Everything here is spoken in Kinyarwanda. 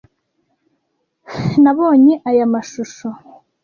Nabonye aya mashusho.